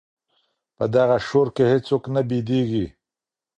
په دغه شور کي هیڅوک نه بېدېږي.